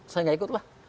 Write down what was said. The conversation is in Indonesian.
saya tidak ikut lah